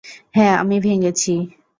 হ্যাঁ আমি ভেঙেছি।